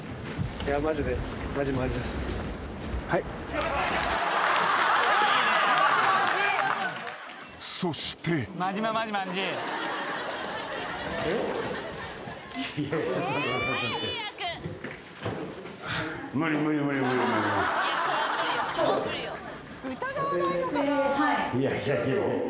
いやいやいやいや。